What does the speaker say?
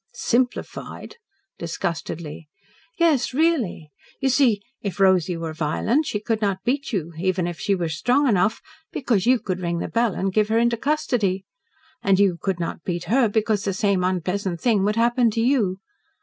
"Simplified!" disgustedly. "Yes, really. You see, if Rosy were violent she could not beat you even if she were strong enough because you could ring the bell and give her into custody. And you could not beat her because the same unpleasant thing would happen to you.